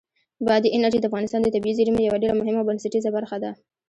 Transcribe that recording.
بادي انرژي د افغانستان د طبیعي زیرمو یوه ډېره مهمه او بنسټیزه برخه ده.